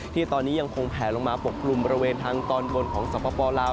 ที่ตอนนี้ยังคงแผลลงมาปกกลุ่มบริเวณทางตอนบนของสปลาว